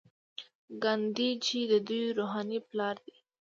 ګاندي جی د دوی روحاني پلار دی.